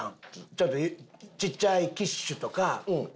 ちょっとちっちゃいキッシュとか。